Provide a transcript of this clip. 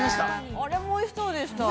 あれもおいしそうでした。